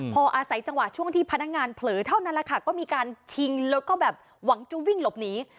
พออาศัยจังหวะช่วงที่พนักงานเผลอเท่านั้นแหละค่ะก็มีการชิงแล้วก็แบบหวังจะวิ่งหลบหนี